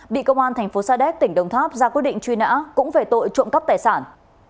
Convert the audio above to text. bị công an thành phố sa đéc tỉnh đồng tháp ra quyết định truy nã cũng về tội trộm cắp tài sản